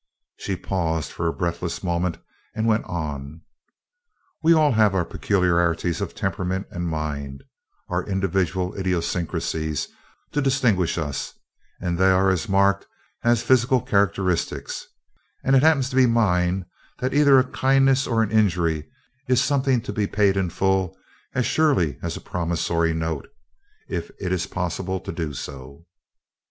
She paused for a breathless moment, and went on: "We all have our peculiarities of temperament and mind, our individual idiosyncracies, to distinguish us, and they are as marked as physical characteristics, and it happens to be mine that either a kindness or an injury is something to be paid in full as surely as a promissory note, if it is possible to do so.